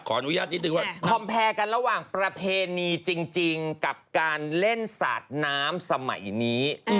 คอมแพรกันระหว่างประเพณีจริงกับการเล่นสาดน้ำสมัยนี้